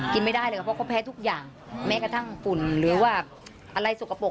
ไม่ได้เลยครับเพราะเขาแพ้ทุกอย่างแม้กระทั่งฝุ่นหรือว่าอะไรสกปรก